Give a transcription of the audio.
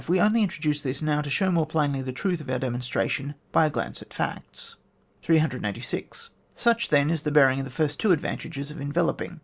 We only introduce this now to show more plainly the truth of our demon stration by a glance at facts. 3^6. Such, then, is the bearing of the first two advantages of enveloping.